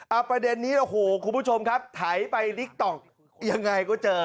เออประเด็นนี้คุณผู้ชมครับถ่ายไปติ๊กต๊อกยังไงก็เจอ